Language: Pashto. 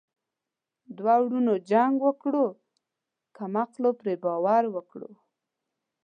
ـ دوه ورونو جنګ وکړو کم عقلو پري باور وکړو.